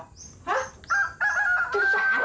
hah dokter sarap